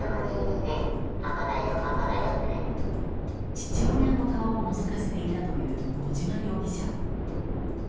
父親の顔をのぞかせていたという小島容疑者。